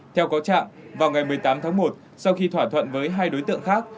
theo cáo trạng vào ngày một mươi tám tháng một sau khi thỏa thuận với hai đối tượng khác